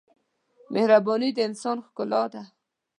مهرباني د انسان ښکلا ده.